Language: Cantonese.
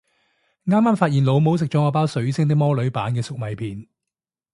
啱啱發現老母食咗我包水星的魔女版嘅粟米片